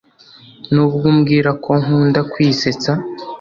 Nubwo umbwira ko nkunda kwisetsa